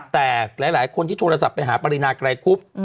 แต่หลายคนที่โทรศัพท์ไปหาปรินาไกรคุบ